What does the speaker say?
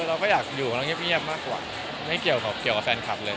เราก็อยากอยู่งานเยี๊ยบมากกว่าไม่เก่าผมเกี่ยวแฟนคลับเลย